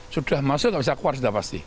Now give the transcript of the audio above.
sudah masuk nggak bisa keluar sudah pasti